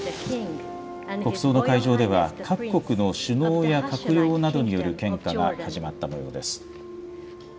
国葬の会場では、各国の首脳や閣僚などによる献花が始まったもようです。